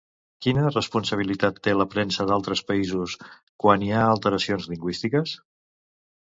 Quina responsabilitat té, la premsa d'altres països, quan hi ha alteracions lingüístiques?